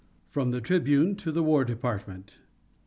FROM THE TRIBUNE TO THE WAR DEPARTMENT.